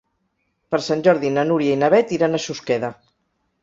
Per Sant Jordi na Núria i na Beth iran a Susqueda.